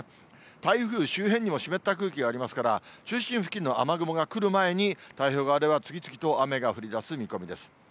台風周辺にも湿った空気がありますから、中心付近の雨雲が来る前に、太平洋側では次々と雨が降りだす見込みです。